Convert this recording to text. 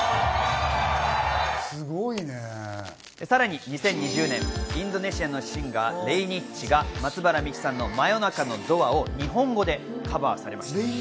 さらに２０２０年、インドネシアのシンガー、レイニッチが松原みきさんの『真夜中のドア』を日本語でカバーされました。